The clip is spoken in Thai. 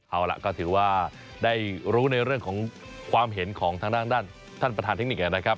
เอาล่ะก็ถือว่าได้รู้ในเรื่องของความเห็นของทางด้านด้านท่านประธานเทคนิคนะครับ